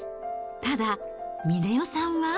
ただ、峰代さんは？